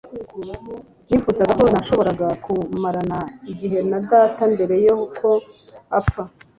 nifuzaga ko nashoboraga kumarana igihe na data mbere yuko apfa